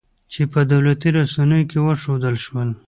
چې په دولتي رسنیو کې وښودل شول